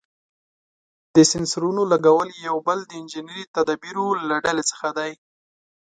د سېنسرونو لګول یې یو بل د انجنیري تدابیرو له ډلې څخه دی.